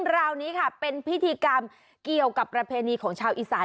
ราวนี้ค่ะเป็นพิธีกรรมเกี่ยวกับประเพณีของชาวอีสาน